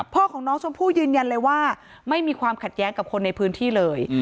พ่อของน้องชมพู่ยืนยันเลยว่าไม่มีความขัดแย้งกับคนในพื้นที่เลย